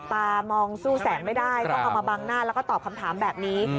ตามองสู้แสงไม่ได้ต้องเอามาบังหน้าแล้วก็ตอบคำถามแบบนี้